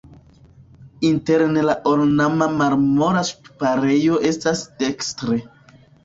Interne la ornama marmora ŝtuparejo estas dekstre.